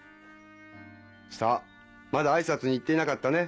さぁまだ挨拶に行っていなかったね。